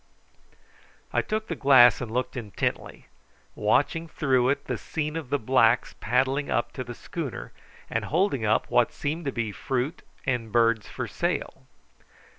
I took the glass and looked intently, watching through it the scene of the blacks paddling up to the schooner, and holding up what seemed to be fruit and birds for sale.